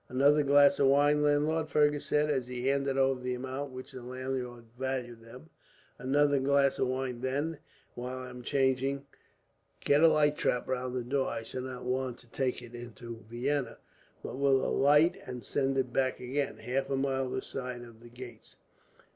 "Another glass of wine, landlord," Fergus said, as he handed over the amount at which the landlord valued them "another glass of wine; and then, while I am changing, get a light trap round to the door. I shall not want to take it into Vienna, but will alight and send it back again, half a mile this side of the gates.